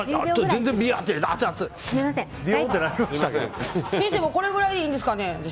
先生これぐらいでいいんですかね。